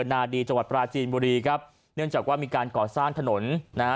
นาดีจังหวัดปราจีนบุรีครับเนื่องจากว่ามีการก่อสร้างถนนนะฮะ